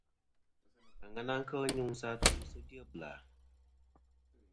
Aŋena kel nyuŋsɨ atu sɨ dyebla.